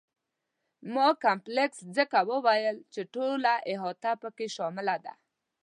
ما کمپلکس ځکه وویل چې ټوله احاطه په کې شامله ده.